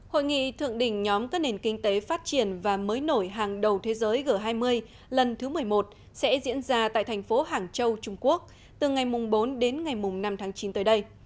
hội nghị thượng đỉnh nhóm các nền kinh tế phát triển và mới nổi hàng đầu thế giới g hai mươi lần thứ một mươi một sẽ diễn ra tại thành phố hàng châu trung quốc từ ngày bốn đến ngày năm tháng chín tới đây